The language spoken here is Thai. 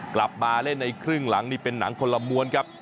กลับมาเล่นในครึ่งหลังนี่เป็นหนังคนละม้วนครับ